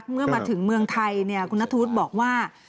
เมื่อมาถึงเมืองไทยคุณณทูธบอกว่า